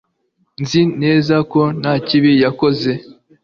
Nzi neza ko nta kibi yakoze